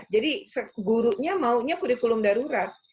jadi gurunya maunya kurikulum darurat